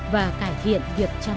và cải thiện việc chăm sóc sức khỏe